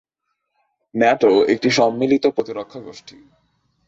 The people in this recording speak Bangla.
ন্যাটো একটি সম্মিলিত প্রতিরক্ষা গোষ্ঠী।